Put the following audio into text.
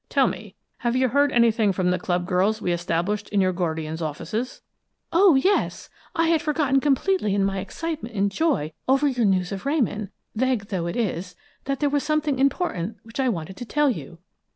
Tell me, have you heard anything from the club girls we established in your guardian's offices?" "Oh, yes! I had forgotten completely in my excitement and joy over your news of Ramon, vague though it is, that there was something important which I wanted to tell you.